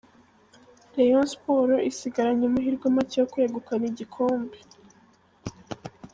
Rayon Sports isigaranye amahirwe make yo kwegukana igikombe.